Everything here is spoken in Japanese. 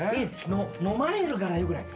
飲まれるからよくない。